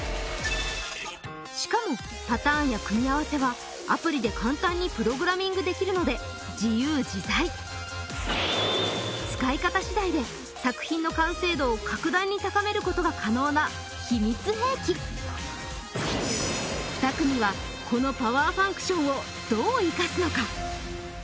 しかもパターンや組み合わせはアプリで簡単にプログラミングできるので自由自在使い方しだいで作品の完成度を格段に高めることが可能な秘密兵器２組はこの・すげえ！